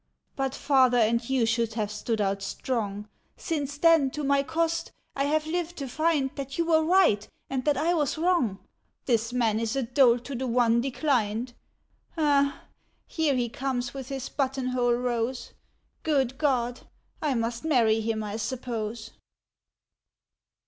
"But Father and you should have stood out strong! Since then, to my cost, I have lived to find That you were right and that I was wrong; This man is a dolt to the one declined ... Ah!—here he comes with his button hole rose. Good God—I must marry him I suppose!"